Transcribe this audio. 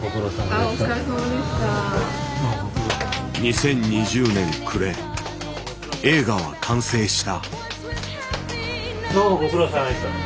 ２０２０年暮れ映画は完成した。